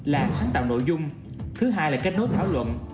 là sáng tạo nội dung thứ hai là kết nối thảo luận